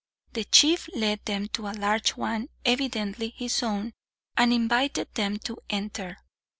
The chief led them to a large one, evidently his own, and invited them to enter.